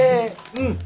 うん。